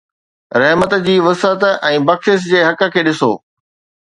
رحمت جي وسعت ۽ بخشش جي حق کي ڏسو